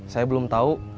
saya belum tahu